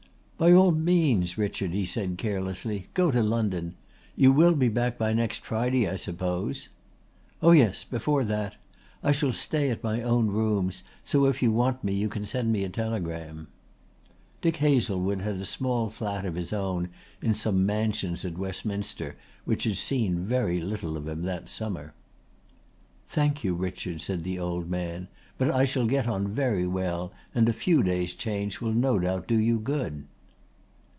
"By all means, Richard," he said carelessly, "go to London! You will be back by next Friday, I suppose." "Oh yes, before that. I shall stay at my own rooms, so if you want me you can send me a telegram." Dick Hazlewood had a small flat of his own in some Mansions at Westminster which had seen very little of him that summer. "Thank you, Richard," said the old man. "But I shall get on very well, and a few days change will no doubt do you good."